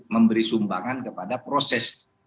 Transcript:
memberi sumbangan kepada proses